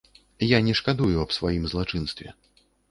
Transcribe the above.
Я не шкадую аб сваім злачынстве.